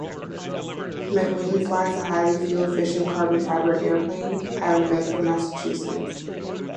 MacLean flies a highly fuel-efficient carbon-fiber airplane out of Bedford, Massachusetts.